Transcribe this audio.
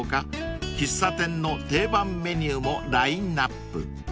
喫茶店の定番メニューもラインアップ］